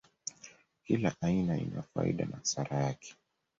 Kila aina ina faida na hasara yake.